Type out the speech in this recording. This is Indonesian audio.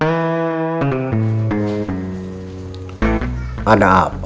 masih kurang berwibawa